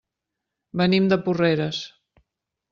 Venim de Porreres.